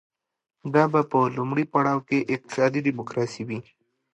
دا به په لومړي پړاو کې اقتصادي ډیموکراسي وي